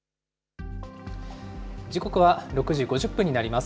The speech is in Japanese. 時刻は６時５０分になります。